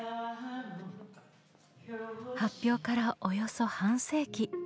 発表からおよそ半世紀。